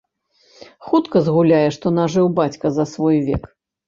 Хутка згуляе, што нажыў бацька за свой век.